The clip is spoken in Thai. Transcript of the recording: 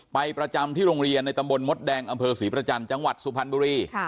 ประจำที่โรงเรียนในตำบลมดแดงอำเภอศรีประจันทร์จังหวัดสุพรรณบุรี